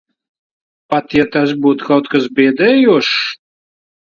Pat ja tas būtu kaut kas biedējošs?